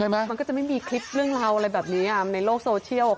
มันก็จะไม่มีคลิปเรื่องราวอะไรแบบนี้ในโลกโซเชียล